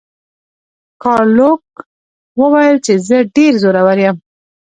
ګارلوک وویل چې زه ډیر زورور یم.